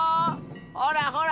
ほらほら！